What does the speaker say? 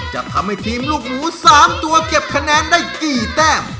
จะทำให้ทีมลูกหมู๓ตัวเก็บคะแนนได้กี่แต้ม